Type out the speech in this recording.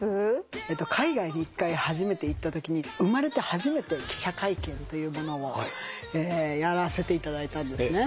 海外に初めて行ったときに生まれて初めて記者会見というものをやらせていただいたんですね。